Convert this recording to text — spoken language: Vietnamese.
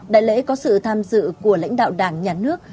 đại lễ có sự tham dự của lãnh đạo đảng nhà nước